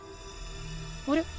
あれ？